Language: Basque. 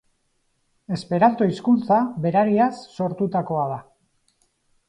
Esperanto hizkuntza berariaz sortutakoa da.